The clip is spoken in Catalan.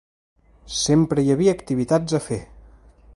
Sempre hi havia activitats a fer.